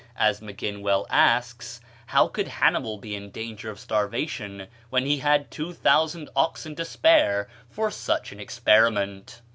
As Maginn well asks, how could Hannibal be in danger of starvation when he had two thousand oxen to spare for such an experiment?